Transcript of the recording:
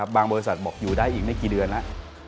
บริษัทบอกอยู่ได้อีกไม่กี่เดือนแล้ว